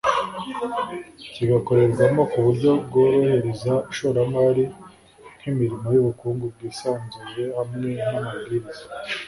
kigakorerwamo ku buryo bworohereza ishoramari nk’imirimo y’ubukungu bwisanzuye hamwe n’amabwiriza